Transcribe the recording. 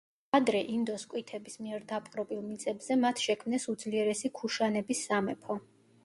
ადრე ინდო–სკვითების მიერ დაპყრობილ მიწებზე მათ შექმნეს უძლიერესი ქუშანების სამეფო.